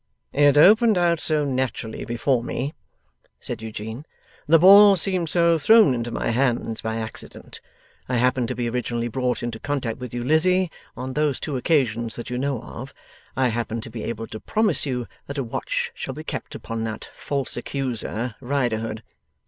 'It opened out so naturally before me,' said Eugene. 'The ball seemed so thrown into my hands by accident! I happen to be originally brought into contact with you, Lizzie, on those two occasions that you know of. I happen to be able to promise you that a watch shall be kept upon that false accuser, Riderhood.